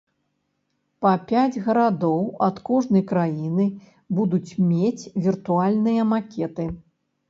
Па пяць гарадоў ад кожнай краіны будуць мець віртуальныя макеты.